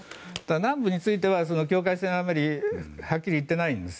南部については境界線をあまりはっきり言っていないんです。